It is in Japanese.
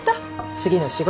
次の仕事。